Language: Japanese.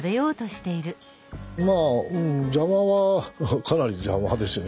まあ邪魔はかなり邪魔ですよね